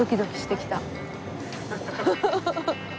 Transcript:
ハハハハ。